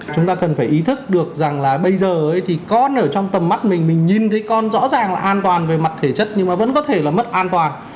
chúng ta cần phải ý thức được rằng là bây giờ thì con ở trong tầm mắt mình mình nhìn thấy con rõ ràng là an toàn về mặt thể chất nhưng mà vẫn có thể là mất an toàn